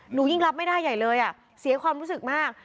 ยิ่งรับไม่ได้ใหญ่เลยเสียความรู้สึกมาก